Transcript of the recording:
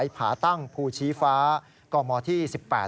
ผาตั้งภูชีฟ้ากมที่๑๘